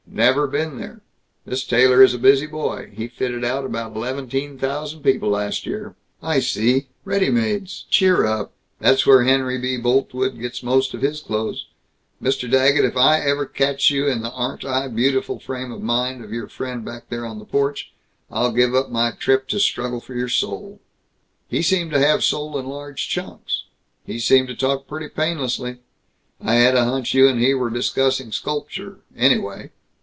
"Never been there. This tailor is a busy boy. He fitted about eleventeen thousand people, last year." "I see. Ready mades. Cheer up. That's where Henry B. Boltwood gets most of his clothes. Mr. Daggett, if ever I catch you in the Aren't I beautiful frame of mind of our friend back on the porch, I'll give up my trip to struggle for your soul." "He seemed to have soul in large chunks. He seemed to talk pretty painlessly. I had a hunch you and he were discussing sculpture, anyway.